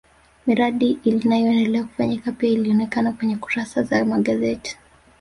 miradi inayoendelea kufanyika pia ilionekana kwenye kurasa za magazeti